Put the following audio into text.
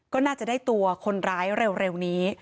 ก็น่าจะได้ตัวคนร้ายเร็วนี้